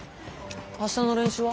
明日の練習は？